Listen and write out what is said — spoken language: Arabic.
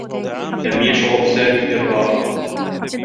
لم يشعر سامي بالرّاحة.